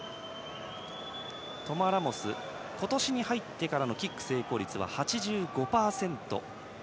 トマ・ラモスは今年に入ってからキック成功率は８５％。